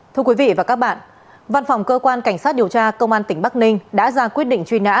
thưa quý vị và các bạn văn phòng cơ quan cảnh sát điều tra công an tỉnh bắc ninh đã ra quyết định truy nã